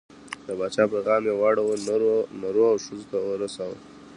د پاچا پیغام یې واړو، نرو او ښځو ته ورساوه.